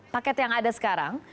paket yang ada sekarang